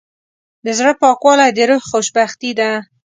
د زړه پاکوالی د روح خوشبختي ده.